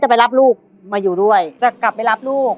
ฝากด้วยพี่กลับมาก่อน